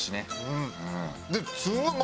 うん。